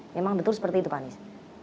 memang betul seperti itu pak anies